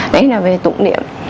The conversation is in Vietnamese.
đấy là về tụng niệm